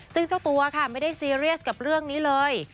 ซึ่งเจ้าตัวค่ะไม่ได้ซีเรียสกับเรื่องนี้เลย